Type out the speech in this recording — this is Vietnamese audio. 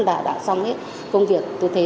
là đã xong công việc tôi thấy